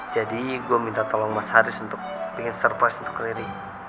jadi gue minta tolong mas haris untuk pingin surprise untuk riri